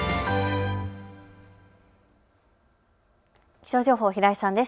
気象情報、平井さんです。